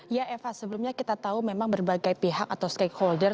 ya eva sebelumnya kita tahu memang berbagai pihak atau stakeholder